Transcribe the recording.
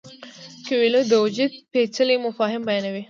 کویلیو د وجود پیچلي مفاهیم بیانوي.